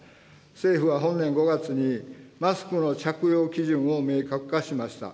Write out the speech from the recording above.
政府は本年５月にマスクの着用基準を明確化しました。